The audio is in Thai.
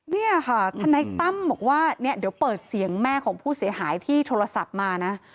เนี่ยค่ะทนายตั้มบอกว่าเนี่ยเดี๋ยวเปิดเสียงแม่ของผู้เสียหายที่โทรศัพท์มานะ